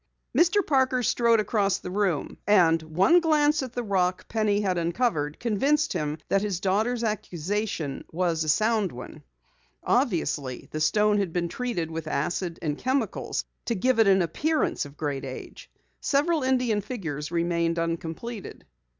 Mr. Parker strode across the room, and one glance at the rock Penny had uncovered convinced him that his daughter's accusation was a sound one. Obviously, the stone had been treated with acid and chemicals to give it an appearance of great age. Several Indian figures remained uncompleted.